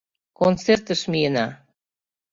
Концертыш миена!..